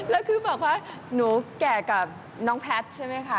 แล้วคือบอกว่าหนูแก่กับน้องแพทย์ใช่ไหมคะ